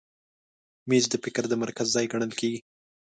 مېز د فکر د مرکز ځای ګڼل کېږي.